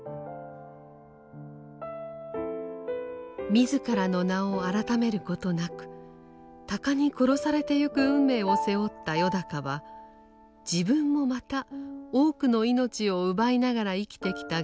自らの名を改めることなく鷹に殺されてゆく運命を背負ったよだかは自分もまた多くの命を奪いながら生きてきた現実に苦しみます。